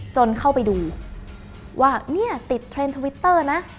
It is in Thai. จนเข้าไปดูว่าเนี่ยติดเทรนด์ทวิตเตอร์นะ